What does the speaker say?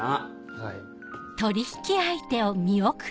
はい。